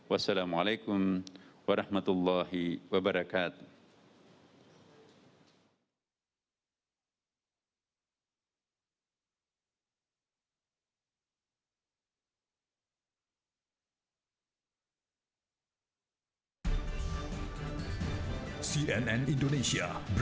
wassalamu'alaikum warahmatullahi wabarakatuh